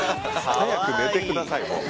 早く寝てください、もう。